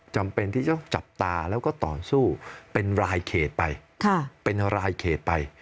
จำเป็นที่จะจับตาแล้วก็ต่อสู้เป็นรายเขตไป